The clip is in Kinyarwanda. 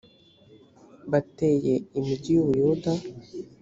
bateyeimigi y u buyuda